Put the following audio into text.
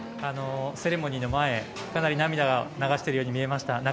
セレモニーの前かなり涙を流しているように見えました。